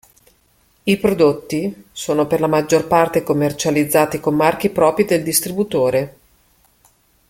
I prodotti sono per la maggior parte commercializzati con marchi propri del distributore.